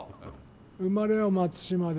生まれは松島で。